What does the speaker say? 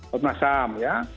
bapak masyam ya